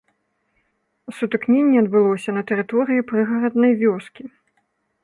Сутыкненне адбылося на тэрыторыі прыгараднай вёскі.